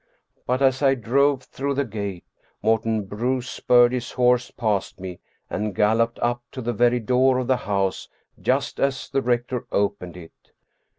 But as I drove through the gate Morten Bruus spurred his horse past me and galloped up to the very door of the house just as the rector opened it.